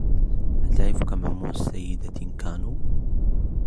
هل تعرف كم عمر السيدة نكانو ؟